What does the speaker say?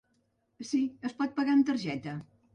Si, es pot pagar amb targeta.